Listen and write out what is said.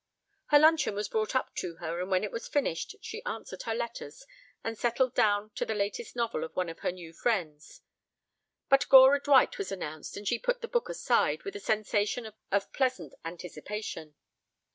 Her luncheon was brought up to her and when it was finished she answered her letters and settled down to the latest novel of one of her new friends. But Gora Dwight was announced and she put the book aside with a sensation of pleasant anticipation.